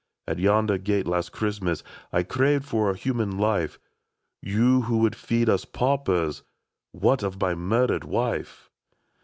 IS At yonder gate, last Christmas, I craved for a human life. You, who would feast us paupers. What of my murdered wife !